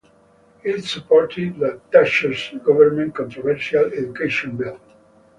It supported the Thatcher government's controversial Education Bill.